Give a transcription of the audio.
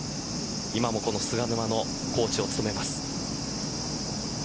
今も菅沼のコーチを務めます。